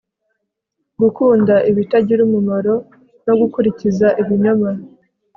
gukunda ibitagira umumaro no gukurikiza ibinyoma